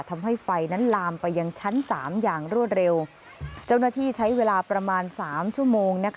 ทำให้ไฟนั้นลามไปยังชั้นสามอย่างรวดเร็วเจ้าหน้าที่ใช้เวลาประมาณสามชั่วโมงนะคะ